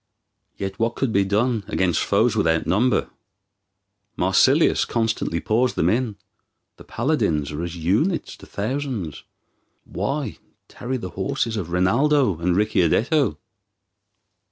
Yet what could be done against foes without number? Marsilius constantly pours them in. The paladins are as units to thousands. Why tarry the horses of Rinaldo and Ricciardetto?